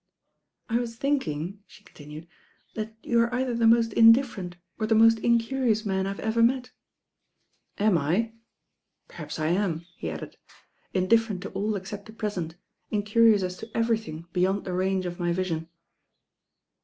"I was thinking," the continued, "that you are* either the most indifferent or the most incurious man I have ever met." "Am I ? Perhaps I ani," he added, "indifferent to all except the present, incurious as to everything beyond the range of my vision."